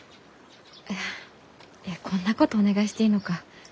あいやこんなことお願いしていいのか。